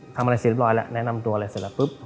ทำอะไรเสร็จเรียบร้อยแล้วแนะนำตัวอะไรเสร็จแล้วปุ๊บ